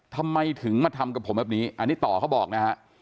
ทำไมถึงมาทำกับผมแบบนี้อันนี้ต่อเขาบอกนะฮะ